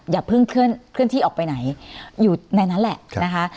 อย่าเพิ่งเคลื่อนที่ออกไปไหนอยู่ในนั้นแหละนะคะ